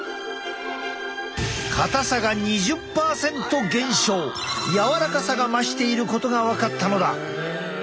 硬さが２０％減少柔らかさが増していることが分かったのだ。